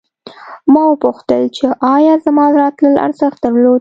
ما وپوښتل چې ایا زما راتلل ارزښت درلود